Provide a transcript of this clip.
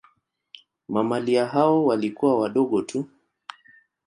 Mamalia hao walikuwa wadogo tu.